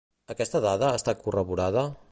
Aquesta dada ha estat corroborada?